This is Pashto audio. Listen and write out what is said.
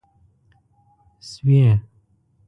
شوې